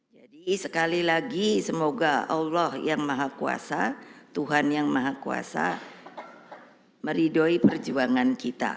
jadi sekali lagi semoga allah yang maha kuasa tuhan yang maha kuasa meriduhi perjuangan kita